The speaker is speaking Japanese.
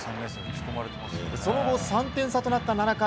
その後３点差となった７回。